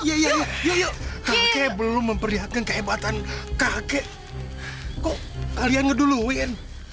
kak kay belum memperlihatkan kehebatan kakek kok kalian ngeduluin